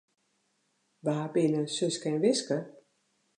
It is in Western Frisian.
Wa binne Suske en Wiske?